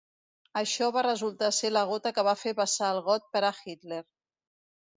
Això va resultar ser la gota que va fer vessar el got per a Hitler.